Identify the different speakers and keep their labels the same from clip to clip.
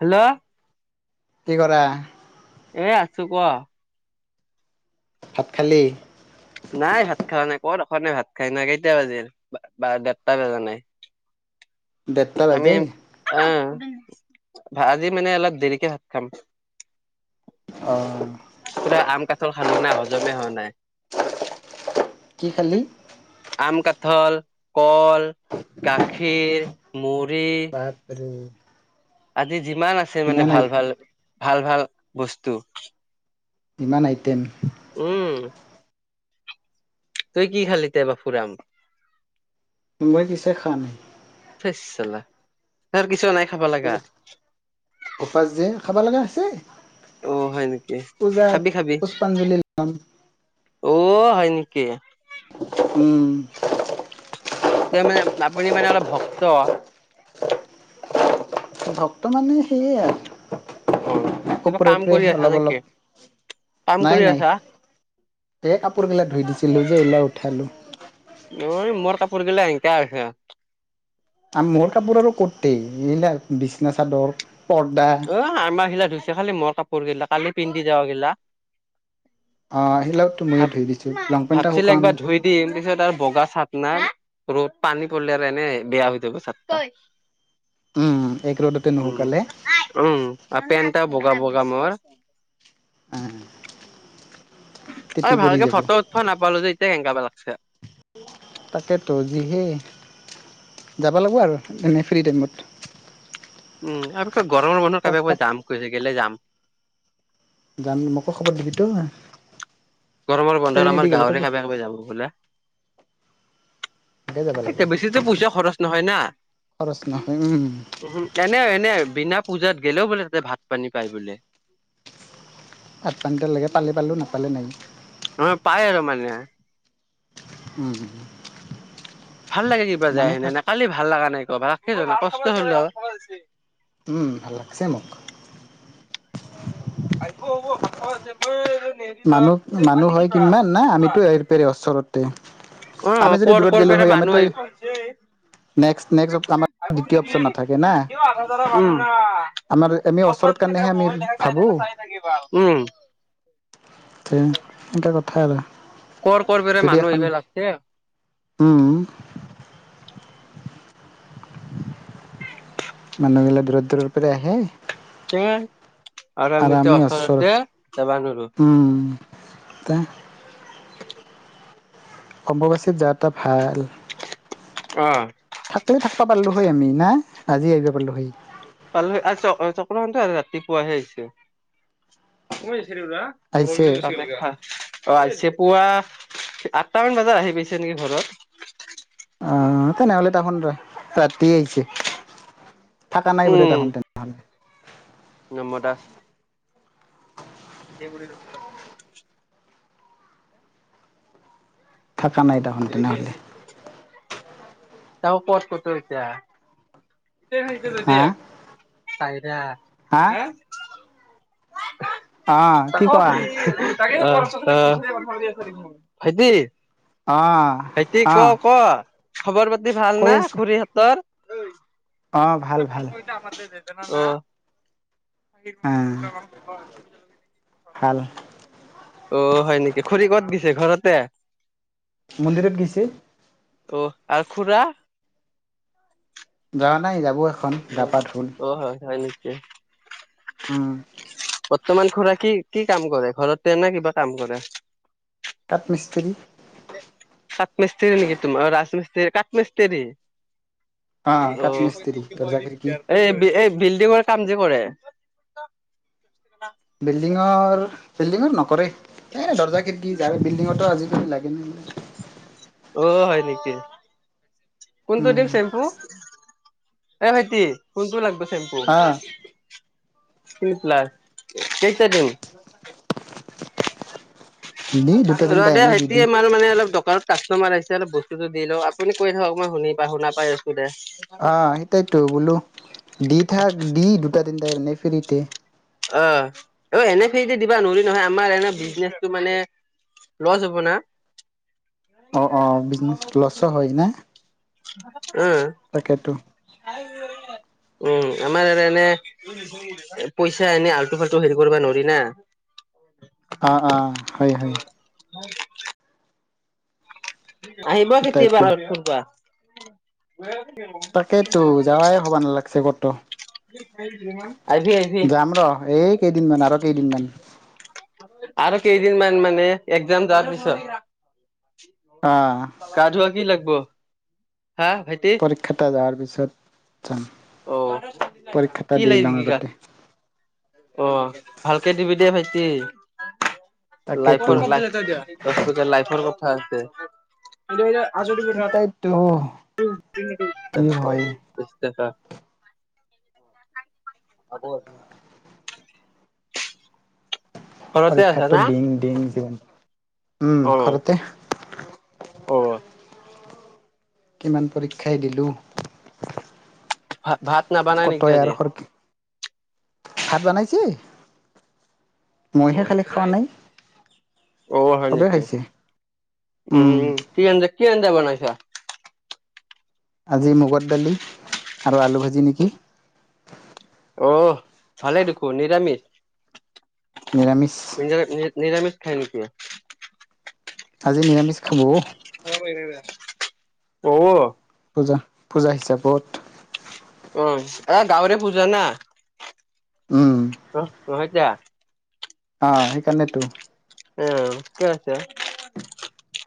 Speaker 1: Hello.
Speaker 2: কি কৰা?
Speaker 1: এ আছো। কোৱা!
Speaker 2: ভাত খালি?
Speaker 1: নাই, ভাত খোৱা নাই। ক'ত [unintelligible] ভাত খাইনো। কেইটা বাজিল? বাৰ-দেৰটা বজা নাই।
Speaker 2: [inaudible] দেৰটা
Speaker 1: আমি
Speaker 2: বাজে
Speaker 1: অ', আজি মানে অলপ দেৰিকে ভাত খাম।
Speaker 2: অ'।
Speaker 1: পুৰা আম কাঠাল খালোঁ না, হজমে হোৱা নাই।
Speaker 2: কি খালি
Speaker 1: আম, কাঠল কল, গাখীৰ, মুৰ
Speaker 2: বাপৰে!
Speaker 1: আজি যিমান আছে, মানে
Speaker 2: ইমান আই
Speaker 1: ভাল-ভাল, ভাল-ভাল বস্তু
Speaker 2: ইমান আইটেম?
Speaker 1: উম। তই কি খালি তে বাপুৰাম?
Speaker 2: মই কিছুই খোৱা নাই।
Speaker 1: [unintelligible]
Speaker 2: উপৱাস যে, খাব লগা আছে।
Speaker 1: অ হয় নেকি
Speaker 2: পূজাত
Speaker 1: খাবি খাবি
Speaker 2: পুষ্পাঞ্জলি লম।
Speaker 1: অ হয় নেকি
Speaker 2: উম।
Speaker 1: ত মানে আপুনি মানে অলপ ভক্ত?
Speaker 2: ভক্ত মানে সেইয়ে
Speaker 1: অ
Speaker 2: আৰু
Speaker 1: কিবা কাম
Speaker 2: ওপৰে-ওপৰে
Speaker 1: কৰি আছা নেকি
Speaker 2: অলপ-অলপ।
Speaker 1: কাম
Speaker 2: নাই,
Speaker 1: কৰি
Speaker 2: নাই।
Speaker 1: আছা
Speaker 2: এই কাপোৰবিলাক ধুই দিছিলোঁ যে, এইবিলাক উঠালোঁ।
Speaker 1: নহয়, মোৰ কাপোৰ গিলা লেতেৰা হৈছে।
Speaker 2: আ মোৰ কাপোৰ আৰু কটেই এইলাক বিচনা চাদৰ পৰ্দা
Speaker 1: অ আমাৰ সিলা ধুইছে, খালি মোৰ কাপোৰ গিলা, কালি পিন্ধি যাৱাগিলা।
Speaker 2: অ সেইগিলাকতো ময়ো ধুই দিছো লং পেন্টটা
Speaker 1: ভ-ভাবছিলে
Speaker 2: শুকাও নাই
Speaker 1: একবাৰ ধুই দিম, পিছত আৰু বগা চাত না। ৰ'দ, পানী পৰিল আৰু এনে বেয়া হৈ যাব চাতটা।
Speaker 2: উম এক ৰোডতে নুহুকালে।
Speaker 1: উম আৰু পেণ্ট এটা বগা বগা মোৰ।
Speaker 2: উম।
Speaker 1: অ ভালকে ফটো উঠোৱা নাপালো যে, এতিয়া কেনেকাব লাগছে।
Speaker 2: তাকেতো যিহেই যাব লাগিব আৰু এনেই ফ্ৰী টাইমত।
Speaker 1: উম
Speaker 2: পাপ পাপ
Speaker 1: [unintelligible] যাম কৈছে গেলে যাম।
Speaker 2: যাম, মোকো খবৰ দিবিতো।
Speaker 1: গৰমৰ বন্ধত
Speaker 2: ট্ৰেইনেদি
Speaker 1: আমাৰ
Speaker 2: গ'লেতো
Speaker 1: গাঁৱৰে কাবে কাবি যাব বোলে।
Speaker 2: সেনেকে যাব লাগে
Speaker 1: এতিয়া বেছিটো পইচা খৰচ নহয় না।
Speaker 2: খৰচ নহয় উম
Speaker 1: এনে এনে বিনা পূজাত গেলেও বোলে তাতে ভাত পানী পায় বোলে।
Speaker 2: ভাত পানীতে লাগে পালে পালোঁ নাপালে নাই।
Speaker 1: অ পাই আৰু মানে।
Speaker 2: হম।
Speaker 1: ভাল লাগে কিবা যায় সেনে না। কালি ভাল লগা নাই এক [unintelligible]
Speaker 2: উম ভাল লাগছে মোক।
Speaker 1: আহিব হ'ব ভাত [unintelligible]
Speaker 2: মানুহ মানুহ হয় কিমান না আমিতো এৰপে ওচৰতে।
Speaker 1: অ অ
Speaker 2: আমি যদি
Speaker 1: কৰ
Speaker 2: দূৰত
Speaker 1: কৰ
Speaker 2: গ'লো
Speaker 1: পেৰে
Speaker 2: হয় আমিতো
Speaker 1: মানুহ আহিব
Speaker 2: নেক্সট নেক্সট আমাৰ দ্বিতীয় অপচন নাথাকে না আমাৰ আমি ওচৰত কাৰণেহে আমি
Speaker 1: [unintelligible] [unintelligible]
Speaker 2: এটা কথা এটা
Speaker 1: কৰ কৰ পেৰে মানুহ আহিব লাগছে।
Speaker 2: উম। মানুহ গিলা দূৰত দূৰৰ পৰা আহে।
Speaker 1: আৰু
Speaker 2: আৰু
Speaker 1: আমি ত
Speaker 2: ওচৰ
Speaker 1: অচৰতে যাবা নৰু।
Speaker 2: উম [unintelligible]
Speaker 1: [inaudible]
Speaker 2: অম্ববাচী যাৱাটা ভাল।
Speaker 1: অ
Speaker 2: থাকিলও থাকিবা পাৰিলো হয় আমি না? আজি আহিব পাৰিলো হয়।
Speaker 1: পাল আৰু চক্ৰখান আৰু ৰাতিপুৱাহে আহিছে।
Speaker 2: আহিছে
Speaker 1: [unintelligible] অ আহিছে পুৱা আঠটা মান বজাত আহি পাইছে নেকি ঘৰত।
Speaker 2: আহ তেনেহ'লে এ তাহুন ৰাতি আহিছে। থাককা নাই বোধয়
Speaker 1: উম
Speaker 2: তাহুন তেনেহ'লে।
Speaker 1: নম দাস। [unintelligible]
Speaker 2: থকা নাই তাহুন তেনেহলে।
Speaker 1: [unintelligible]
Speaker 2: হা হা
Speaker 1: [unintelligible]
Speaker 2: অ কি কোৱা
Speaker 1: ভাইটি
Speaker 2: অ
Speaker 1: ভাইটি
Speaker 2: অ
Speaker 1: ক ক খবৰ পাতি ভাল
Speaker 2: কৈ
Speaker 1: না
Speaker 2: আছো
Speaker 1: খুৰীহঁতৰ? [inaudible]
Speaker 2: অ ভাল ভাল
Speaker 1: [unintelligible]
Speaker 2: অ ভাল
Speaker 1: [unintelligible] অ হয় নেকি। খড়ী ক'ত গিছে ঘৰতে?
Speaker 2: মন্দিৰত গৈছে।
Speaker 1: অ আৰু খুৰা?
Speaker 2: যোৱা নাই যাব এখন গা
Speaker 1: আহ
Speaker 2: পা ধুল
Speaker 1: অ হয় হয় নেকি
Speaker 2: উম।
Speaker 1: বৰ্তমান খুৰা কি-কি কাম কৰে? ঘৰতে নে কিবা কাম কৰে?
Speaker 2: কাঠ মিস্ত্ৰী।
Speaker 1: কাট মিস্ত্ৰী নেকি তোমাৰা, অ ৰাসমিস্ত কাট মিস্ত্ৰী অ
Speaker 2: কাঠ মিস্ত্ৰী দৰ্জা খিৰিকী
Speaker 1: এই-এই বিল্ডিংত কাম যে কৰে
Speaker 2: বিল্ডিঙৰ বিল্ডিঙৰ নকৰে, এ দৰ্জা খৰিকি যায় বিল্ডিঙোত আজি লাগে না।
Speaker 1: অ হয় নেকি। কোনটো
Speaker 2: উম
Speaker 1: দিম চেম্পু? এ ভাইটি কোনটো লাগব চেম্পু?
Speaker 2: আহ
Speaker 1: প্লাচ কেইটা দিম?
Speaker 2: দি দুটা তিনিটা
Speaker 1: [unintelligible]
Speaker 2: এনেই দি দি
Speaker 1: আমাৰ মানে অলপ দকাৰত কাষ্টমাৰ আহিছে অল বসুটো দি লওঁ। আপুনি কৈ থাকক মই শুনি পা শুনা পাই দে
Speaker 2: আহ সেইটাইতো বোলো দি থাক দি দুটা তিনটা এনে ফ্ৰিতে।
Speaker 1: অ অ এনে ফিৰিতে দিবা নৰি নহয় আমাৰ এনে বিজনেচটো মানে লজ হ'ব না।
Speaker 2: অ অ লজ ত হয় না।
Speaker 1: উম।
Speaker 2: তাকেতো
Speaker 1: উম আমাৰ এনে পইচা এনেই আল্টু-ফাল্টু হেৰি কৰিবা নোৱাৰি না।
Speaker 2: অ অ হয় হয়।
Speaker 1: [unintelligible] আহিব কেতিয়
Speaker 2: তাইতো
Speaker 1: [unintelligible] ফুৰবা
Speaker 2: তাকেইতো যাৱাই হব নালাগিছে কতো।
Speaker 1: আহিবি আহিবি
Speaker 2: যাম ৰ এই কেইদিনমান আৰু কেইদিনমান।
Speaker 1: আৰু কেইদিন মান মানে একজাম যোৱাৰ পিছত।
Speaker 2: আহ
Speaker 1: গা ধোৱা কি লাগব? হা ভাইটি
Speaker 2: পৰীক্ষাটা যোৱাৰ পিছত। যাম
Speaker 1: অ
Speaker 2: পৰীক্ষা এটা
Speaker 1: কি
Speaker 2: দি লওঁ
Speaker 1: [unintelligible]
Speaker 2: আগতে
Speaker 1: অ ভালকে দিবি দে ভাই
Speaker 2: তাকেতো এটাইতো কি হয়
Speaker 1: [unintelligible] [unintelligible] [unintelligible] [unintelligible] ঘৰতে আছা
Speaker 2: পৰীক্ষাটো
Speaker 1: না?
Speaker 2: দিম, দিম, দিম। উম,
Speaker 1: অ
Speaker 2: ঘৰতে।
Speaker 1: অ'।
Speaker 2: কিমান পৰীক্ষাই দিলোঁ।
Speaker 1: ভা-ভাত নাবনাই নেকি আজি?
Speaker 2: ভাত বনাইছে,
Speaker 1: অ
Speaker 2: মইহে খালি খোৱা নাই।
Speaker 1: অ', হয়
Speaker 2: চবেই
Speaker 1: নেকি?
Speaker 2: খাইছে
Speaker 1: উম, কি আঞ্জা, কি আঞ্জা বনাইছা?
Speaker 2: আজি মগৰ দালি আৰু আলু ভাজি নেকি।
Speaker 1: অ ভালে দেখো নিৰামিষ।
Speaker 2: নিৰামিষ।
Speaker 1: নিৰামিষ খায় নেকি?
Speaker 2: আজি নিৰামিষ খাব।
Speaker 1: [unintelligible]
Speaker 2: পূজা হিচাপত
Speaker 1: উ, এ গাৱৰে পূজা না।
Speaker 2: উম
Speaker 1: অ, এতিয়া
Speaker 2: অ, সেইকাৰণেতো।
Speaker 1: [unintelligible]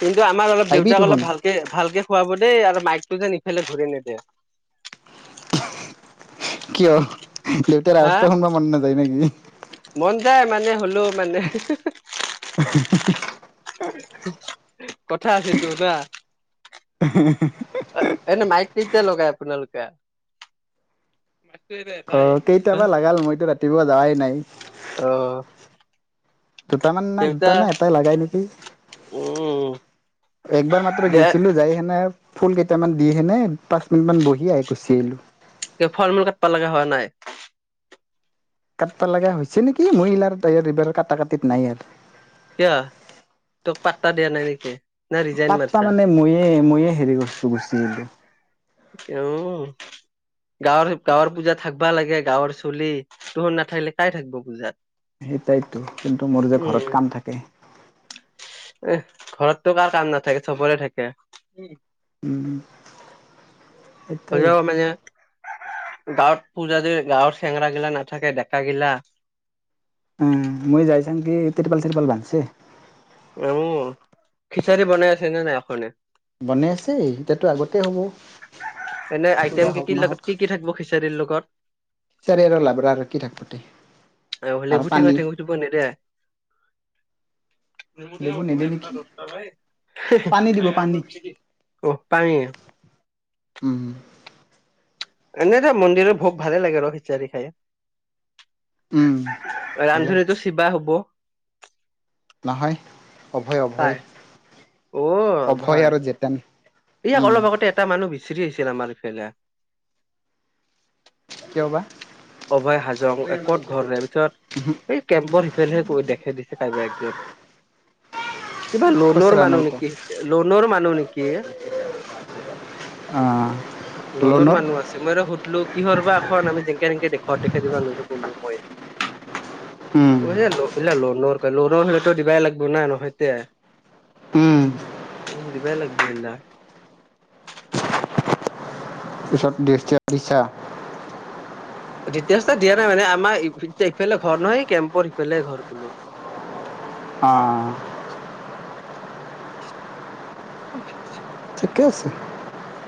Speaker 1: কিন্তু আমাৰ অলপ
Speaker 2: আহিবি
Speaker 1: দেউতাক অলপ
Speaker 2: তোহোন
Speaker 1: ভালকে- ভালকে খোৱাব দেই আৰু মাইকটো যেন ইফালে ঘূৰি নিদিয়ে।
Speaker 2: কিয়? দেউতাৰ
Speaker 1: হা
Speaker 2: ৰাস্তা [unintelligible] মন নাযায় নেকি?
Speaker 1: মন যায় মানে হলেও, মানে কথা আছেটো না। এনে মাইক কিতিয়া লগাই আপোনালোকে?
Speaker 2: আহ, কেইটাবা লাগাল, মইতো ৰাতিপুৱা যাৱাই নাই।
Speaker 1: অ'
Speaker 2: দুটামান, না
Speaker 1: দেউতা
Speaker 2: দুটা না এটাই লগাই নেকি।
Speaker 1: উম,
Speaker 2: একবাৰ মাত্ৰ গে,
Speaker 1: দে
Speaker 2: যাই সেনে ফুল কেইটামান দি হেনে, পাঁচ মিনিট মান বহি আহি গুচি আহিলো।
Speaker 1: ফল-মূল কাটব লগা হোৱা নাই?
Speaker 2: কাটব লগা হৈছে নেকি। মই ইলাৰ এইবাৰ কটা কাটিত নাই আৰু।
Speaker 1: কিয়? তোক পাত্তা দিয়া নাই নেকি? না ৰিজাইন
Speaker 2: পাতটা
Speaker 1: মাৰিছা?
Speaker 2: মানে ময়ে ময়ে হেৰি কৰিছো গুচি আহিলোঁ।
Speaker 1: [unintelligible] গাঁৱৰ-গাঁৱৰ পূজা থাকবা লাগে। গাঁৱৰ চলি, তহন নাথাকিলে কাই থাকিব পূজাত।
Speaker 2: সেইটাইতো, কিন্তু মোৰ যে
Speaker 1: উম,
Speaker 2: ঘৰত কাম থাকে।
Speaker 1: ঘৰততো কাৰ কাম নাথাকে, চবৰে থাকে।
Speaker 2: উম।
Speaker 1: [unintelligible] গাঁৱত পূজা দি গাঁৱৰ চেঙৰা গিলা নাথাকে ডেকা গিলা।
Speaker 2: উ, মই যাইছাম কি, ত্ৰিপাল-ত্ৰিপাল বান্ধচে।
Speaker 1: উম, খিচাৰি বনাই আছে নে নাই এখনে?
Speaker 2: বনাই আছে, এতিয়াতো আগতে হ'ব।
Speaker 1: এনে আইটেম
Speaker 2: পূজা
Speaker 1: কি
Speaker 2: হওক
Speaker 1: কি লগত,
Speaker 2: নাহওক।
Speaker 1: কি কি থাকিব খিচাৰীৰ লগত?
Speaker 2: চাৰি আৰু লাবৰা আৰ কি থাক। [unintelligible]
Speaker 1: আৰু হলে [unintelligible] নেদে।
Speaker 2: [inaudible]
Speaker 1: নেমু টেঙা
Speaker 2: লেবু নিদে নেকি? পানী দিব পানী
Speaker 1: [unintelligible] অ', [unintelligible]
Speaker 2: উম।
Speaker 1: এনেই দে মন্দিৰৰ ভোগ ভালে লাগে, খিচাৰী খাই।
Speaker 2: উম ভালে
Speaker 1: ৰান্ধনীতো শিৱা হ'ব।
Speaker 2: নহয় অভয় অভয়
Speaker 1: পাই অ
Speaker 2: অভয়
Speaker 1: হয়
Speaker 2: আৰু জেতেন।
Speaker 1: ইয়াক অলপ আগতে এটা মানুহ বিচাৰি আহিছিল আমাৰ ইফালে।
Speaker 2: কিয় বা?
Speaker 1: অভয় হাজং ক'ত ঘৰ? তাৰ পিছত এই কেম্পৰ সিফালহে কৈ দেখে দিছে কাইবা একজন। কিবা লোনৰ
Speaker 2: খুচৰা নাই
Speaker 1: মানুহ
Speaker 2: পোৱা।
Speaker 1: নেকি, লোনৰ মানুহ নেকি?
Speaker 2: অ'
Speaker 1: লোনৰ মানুহ আছে, মই আৰু লো কিহৰ বা এখন আমি যেনকে তেনকে [unintelligible] কৰিলো মই।
Speaker 2: উম।
Speaker 1: [unintelligible] দিবাই লাগিব নাই। নহয়তে
Speaker 2: উম,
Speaker 1: উম, দিবায় লাগব [unintelligible]
Speaker 2: পিছত [unintelligible]
Speaker 1: [unintelligible] দিয়া নাই মানে, আমাৰ ইফালে ঘৰ নহয়, কেম্পৰ সিফালে ঘৰ কলো।
Speaker 2: অ'
Speaker 1: [unintelligible]
Speaker 2: ঠিকে আছে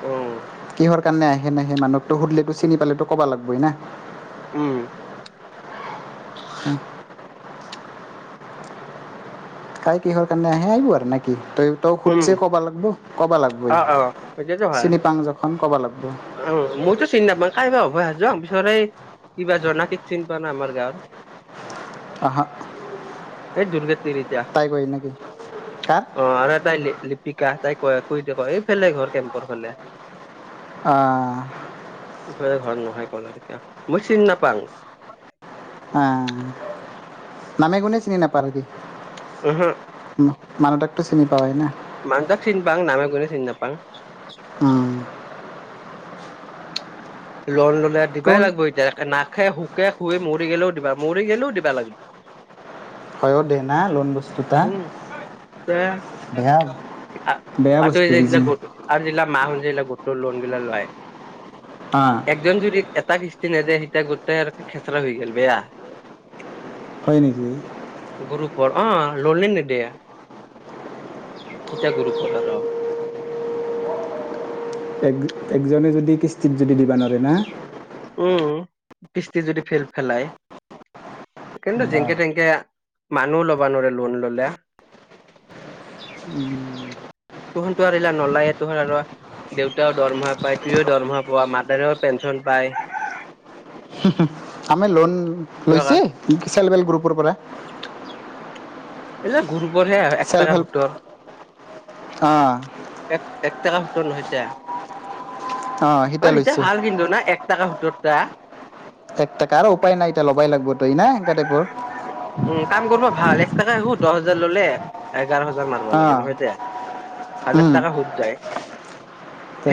Speaker 1: অ
Speaker 2: কিহৰ সেইকাৰণে আহে নাহে মানুহকতো সধিলেতো চিনি পালেতো ক'ব লাগিবই না।
Speaker 1: উম।
Speaker 2: উম। কাই কিহৰ কাৰণে আহে আহিবো আৰু নেকি। তই তই
Speaker 1: উম
Speaker 2: সুধছে কবা লাগব কবা লাগিবই
Speaker 1: অ অ সেইটোতো হয়
Speaker 2: চিনি পাং যখন কবা লাগ।
Speaker 1: অ' মইতো চিনি নাপাওঁ কাইবা অভয় আজি যাম পিচৰে কিবা জানক চিন পাওঁ নে আমাৰ গাঁৱৰ।
Speaker 2: আহহা
Speaker 1: এইেই দুৰ্গত
Speaker 2: কাক
Speaker 1: তিৰিটায় অ' আটাইল। লিপিকা তাই কয় ক কয় এইফেলে ঘৰ কেম্পৰ ফালে।
Speaker 2: অ'
Speaker 1: ঘৰত নহয় কল আৰু মই চিনি নাপাম।
Speaker 2: আহ নামে গুনে চিনি নোপাৰ কি।
Speaker 1: আহহা
Speaker 2: মালটাক টো চিনি পাৱয়ে না।
Speaker 1: মান তাক চিনি পাওঁ নামে গুনে চি নাপাং।
Speaker 2: উম।
Speaker 1: লোন ল'লে দিবাই
Speaker 2: কোন
Speaker 1: লাগিব এতিয়কে নাক। খুসে শুকে শুুৱে মৰি গলেও দিবা মৰি গলেও দিবা লাগিব।
Speaker 2: হয় দে না লোন বস্তু।
Speaker 1: উম, তে।
Speaker 2: বেয়া
Speaker 1: আ
Speaker 2: বেয়া
Speaker 1: আটয়
Speaker 2: বস্তু
Speaker 1: যায় চীলা
Speaker 2: যি
Speaker 1: [unintelligible] যিবিলাক গোটৰ লোন গিলা লয়
Speaker 2: হা
Speaker 1: একজন যদি। এটা কিস্তি নেদিয়ে সেতিয়া গোটেই আৰু খেচৰা হৈ গ'ল বেয়া।
Speaker 2: হয় নেকি।
Speaker 1: ল'লে নে নিদিয়ে এত গুৰুপৰ ৰ।
Speaker 2: [unintelligible] এক একজনে যদি কিস্তিত যদি দিবা নোৱাৰে না।
Speaker 1: উম, কিস্তি যদি ফেল ফেলাই। কিন্তু যেনেকে তেনেকে মানুহও ল'বা নোৱ লোন ল'লে।
Speaker 2: উম।
Speaker 1: তুহনতো আৰুলা নলায়ে তুহঁ আৰু দেউতাও দৰমহা পায়, তইয়ো দৰমহা পোৱা, মাদাৰেও পেঞ্চন পায়।
Speaker 2: আমি লোন লৈছে চেল হেল্প গ্ৰুপৰ পৰা।
Speaker 1: এই বিলাক গ্ৰুপৰ হে
Speaker 2: চেল্ফ
Speaker 1: একটাককা
Speaker 2: হেল্প
Speaker 1: সোতৰ
Speaker 2: অঁ
Speaker 1: এক। কা সোত্তৰ নহয় এতিয়া।
Speaker 2: অঁ সিটা
Speaker 1: অ' সেইতিয়া
Speaker 2: লৈছে
Speaker 1: ভাল কিন্তু না এক টাককা সোত্তৰ তা।
Speaker 2: এক টটকাৰো উপায় নাই এতিয়া ল'বাই লাগব তই নাই
Speaker 1: উম কাম কৰিব
Speaker 2: [unintelligible]
Speaker 1: ভাল একটা সোণ। দহ হাজাৰ ললে এঘাৰ হাজাৰ মাৰিব লাগে
Speaker 2: অঁ
Speaker 1: নহয় দে হাজাৰ
Speaker 2: উম,
Speaker 1: টকা সুধ যায়
Speaker 2: তে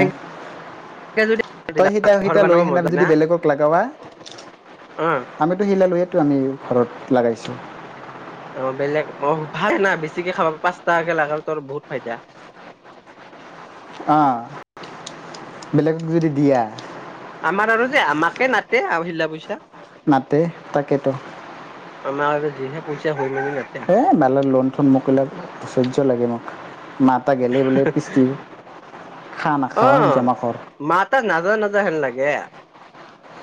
Speaker 1: কে যদি।
Speaker 2: তই সি তাই সি
Speaker 1: ঘৰ
Speaker 2: তাই লৈ
Speaker 1: বনাব
Speaker 2: সেনা
Speaker 1: মজা
Speaker 2: যদি
Speaker 1: না
Speaker 2: বেলেগক লগাৱা
Speaker 1: অ
Speaker 2: আমিতো সিল লোয়। টো আমি ঘৰত লগাইছে।
Speaker 1: অ' বেলেগ অ' ভাল না বেছিকে খাব পাঁচটাকে লাগা তোৰ বহুত ফাইদা।
Speaker 2: আহ বেলেগক যদি দিয়া।
Speaker 1: আমাৰ আৰু যে আমাকে নাতে আৰু শিলা পইচা।
Speaker 2: নাতে তাকেতো।
Speaker 1: আমাৰ যিহে পইচা। হৈ মেলি নাতে
Speaker 2: এ [unintelligible] লোন থোন [unintelligible] অচৰ্য্য লাগে মোক মাহ টা গেলেই বোলে কৃষ্টি খা নাখোৱা জমা কৰ।
Speaker 1: এটা নাজা নাজা হেন লাগে।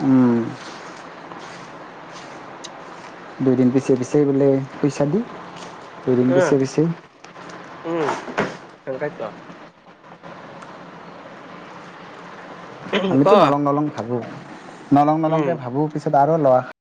Speaker 2: উম। দুইদিন পিছে পিছে বোলে পইচা দি, দুইদিন
Speaker 1: অ
Speaker 2: পিছে পিছে
Speaker 1: সেনকাইটো। ক
Speaker 2: আমিতো নলং নলং ভাবো নলং
Speaker 1: উম
Speaker 2: নলংকে ভাবো পিছত আৰু ল'ৰা